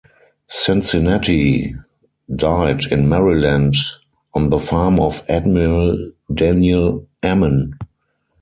Cincinnati died in Maryland on the farm of Admiral Daniel Ammen.